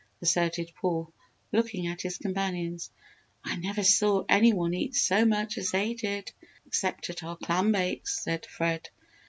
asserted Paul, looking at his companions. "I never saw any one eat so much as they did, except at our clam bakes," said Fred.